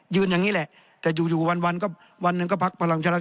ยืนอย่างนี้แหละแต่อยู่อยู่วันวันก็วันหนึ่งก็พักประทังประชารัฐ